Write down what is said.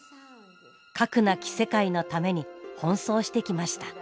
核なき世界のために奔走してきました。